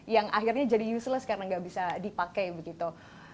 yang akhirnya jadi useless karena nggak bisa dipakai begitu